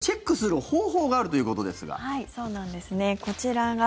それではチェックする方法があるということですが。